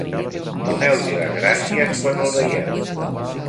Doneu-li les gràcies quan el veieu.